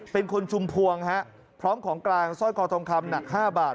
เป็นคนชุมพวงฮะพร้อมของกลางสร้อยคอทองคำหนัก๕บาท